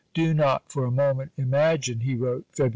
"Do not for a moment imagine," he wrote (Feb.